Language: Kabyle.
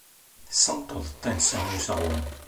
Senṭeḍ tansa n useɣwen.